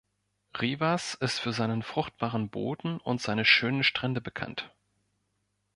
Rivas ist für seinen fruchtbaren Boden und seine schönen Strände bekannt.